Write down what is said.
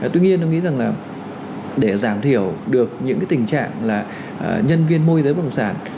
tuy nhiên tôi nghĩ rằng là để giảm thiểu được những cái tình trạng là nhân viên môi giới bất động sản